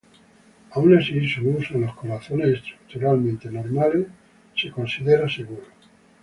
Aun así, su uso en los corazones estructuralmente normales está considerado seguro.